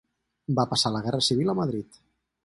Va passar la Guerra Civil a Madrid.